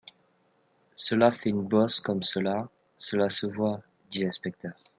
Cela fait une bosse comme cela, cela se voit, dit l'inspecteur.